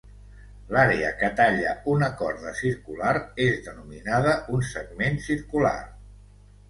L'àrea que talla una corda circular és denominada un segment circular.